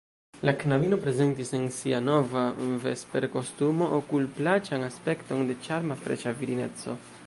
La knabino prezentis en sia nova vesperkostumo okulplaĉan aspekton de ĉarma, freŝa virineco.